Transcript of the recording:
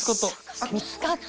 見つかった。